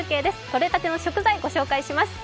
とれたての食材、ご紹介します。